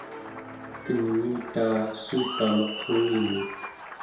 keniutaa suupamaq uini